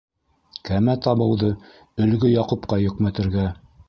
- Кәмә табыуҙы Өлгө Яҡупҡа йөкмәтергә!